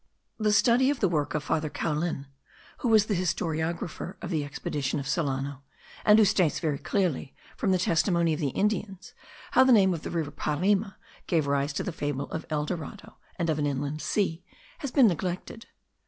The study of the work of Father Caulin, who was the historiographer of the expedition of Solano, and who states very clearly, from the testimony of the Indians, how the name of the river Parima gave rise to the fable of El Dorado, and of an inland sea, has been neglected.